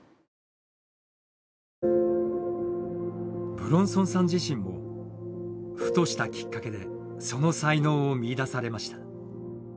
武論尊さん自身もふとしたきっかけでその才能を見いだされました。